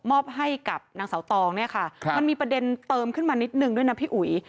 ให้กับนางเสาตองเนี่ยค่ะมันมีประเด็นเติมขึ้นมานิดนึงด้วยนะพี่อุ๋ย